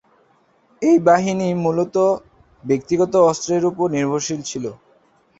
এই বাহিনী মূলত ব্যক্তিগত অস্ত্রের উপর নির্ভরশীল ছিল।